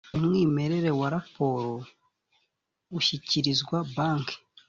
umwimerere wa raporo ushyikirizwa banki